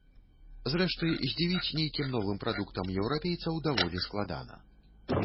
Зрэшты, здзівіць нейкім новым прадуктам еўрапейцаў даволі складана.